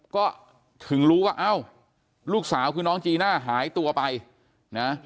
ก็ถึงรู้ว่าเอ้าลูกสาวคือน้องจีน่าหายตัวไปนะ